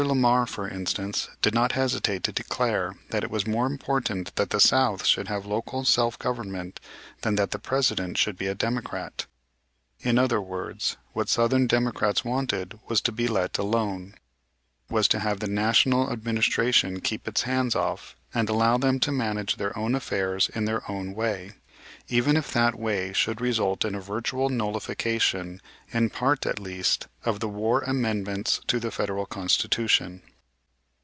Lamar, for instance, did not hesitate to declare that it was more important that the South should have local self government than that the President should be a Democrat. In other words, what Southern Democrats wanted was to be let alone, was to have the National Administration keep its hands off, and allow them to manage their own affairs in their own way, even if that way should result in a virtual nullification, in part at least, of the War Amendments to the Federal Constitution.